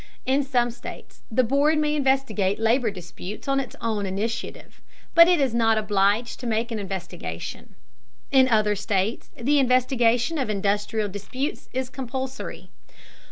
In some states the board may investigate labor disputes on its own initiative, but it is not obliged to make an investigation. In other states the investigation of industrial disputes is compulsory.